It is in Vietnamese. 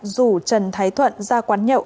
rủ trần thái thuận ra quán nhậu